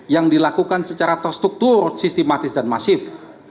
yang dilakukan secara terstruktur sistematis dan masif